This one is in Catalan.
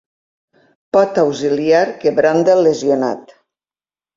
Pota auxiliar que branda el lesionat.